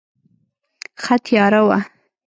ښه تیاره وه.